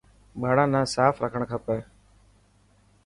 ٻاڙان نا ساف رکڻ کپي.